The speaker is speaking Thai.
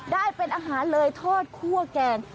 ได้เป็นอาหารเลยทอดคั่วแกง